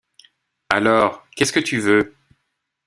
Alors, qu’est-ce que tu veux?